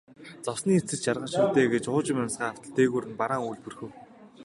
Зовсны эцэст жаргана шүү дээ гээд уужим амьсгаа автал дээгүүр нь бараан үүл бүрхэв.